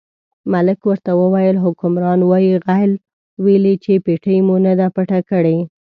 ملک ورته وویل حکمران وایي غل ویلي چې پېټۍ مو نه ده پټه کړې.